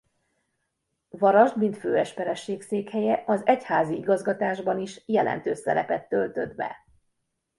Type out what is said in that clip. Varasd mint főesperesség székhelye az egyházi igazgatásban is jelentős szerepet töltött be.